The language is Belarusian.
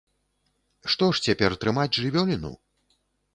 Што ж цяпер трымаць жывёліну?